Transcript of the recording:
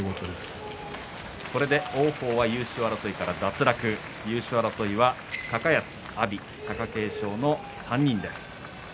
これで王鵬は優勝争いから脱落し優勝争いは高安、阿炎、貴景勝この３人です。